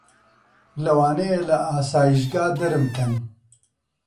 لەوانەیە لە ئاسایشگا دەرمکەن